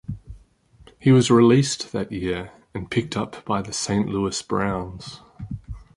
He was released that year and picked up by the Saint Louis Browns.